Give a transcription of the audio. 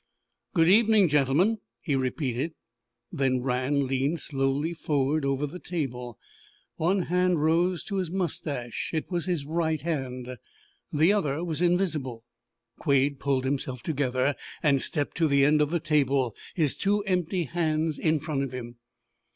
"Good evening, gentlemen!" he repeated. Then Rann leaned slowly forward over the table. One hand rose to his moustache. It was his right hand. The other was invisible. Quade pulled himself together and stepped to the end of the table, his two empty hands in front of him.